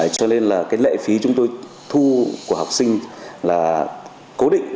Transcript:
cho nên lệ phí chúng tôi thu của học sinh là cố định